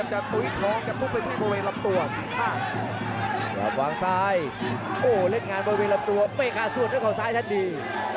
หลับหวังซ้ายโอ้เล่นงานเบอร์เวลาตัวเมฆ่าสู้ด้วยเขาซ้ายท่านดี